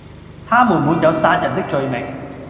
他們沒有殺人的罪名，